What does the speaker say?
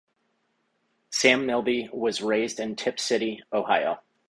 Sam Milby was raised in Tipp City, Ohio.